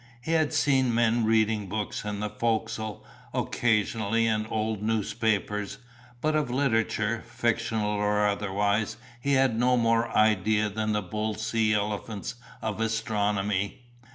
He had seen men reading books in the fo'c'sle occasionally and old newspapers, but of literature, fictional or otherwise, he had no more idea than the bull sea elephants of astronomy.